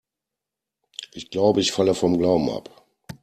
Ich glaube, ich falle vom Glauben ab.